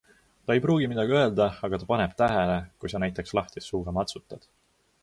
Ta ei pruugi midagi öelda, aga ta paneb tähele, kui sa näiteks lahtise suuga matsutad.